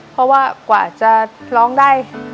เพราะว่ากว่าจะร้องได้